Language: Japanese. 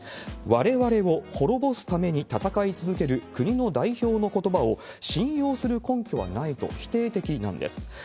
われわれを滅ぼすために戦い続ける国の代表のことばを信用する根拠はないと、否定的なんです。